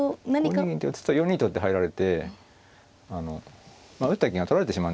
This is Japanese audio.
５二銀って打つと４二とって入られて打った銀が取られてしまうんですよ